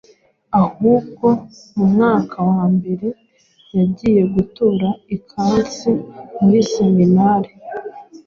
Ahubwo mu mwaka wa mbere yagiye gutura i Kansi muri Seminari.